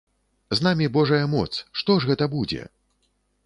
З намі божая моц, што ж гэта будзе?